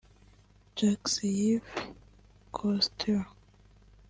Jacques-Yves Cousteau